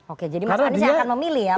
okay jadi mas anies akan memilih ya